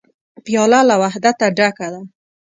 پیاله له وحدته ډکه ده.